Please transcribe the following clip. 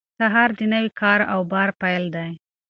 سهار د نوي کار او بار پیل دی.